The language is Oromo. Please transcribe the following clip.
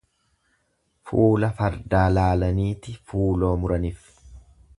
Fuula fardaa laalaniiti fuuloo muranif.